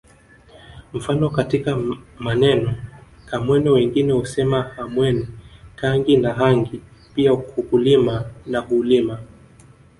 Mfano katika maneno Kamwene wengine husema Hamwene Kangi na hangi pia ukukulima na uhulima